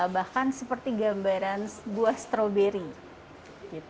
bahkan seperti gambaran buah stroberi